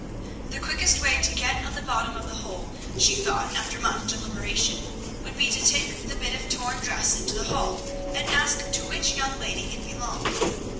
The quickest way to get at the bottom of the whole, she thought after much deliberation, would be to take the bit of torn dress into the hall, and ask to which young lady it belonged.